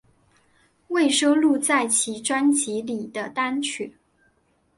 未收录在其专辑里的单曲